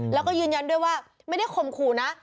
แล้วก็ยืนยันด้วยว่าไม่ได้ข่มขู่นะ